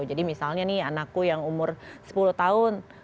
jadi misalnya nih anakku yang umur sepuluh tahun